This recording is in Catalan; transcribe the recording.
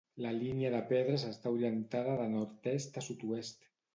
La línia de pedres està orientada de nord-est a sud-oest.